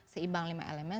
seimbang lima elemen